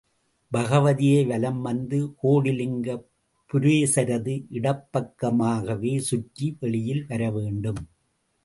பகவதியை வலம் வந்து கோடிலிங்க புரேசரது இடப்பக்கமாகவே சுற்றி வெளியில் வர வேண்டும்.